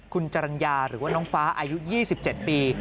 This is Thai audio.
คุณจรรยาหรือว่าน้องฟ้าอายุ๒๗ปี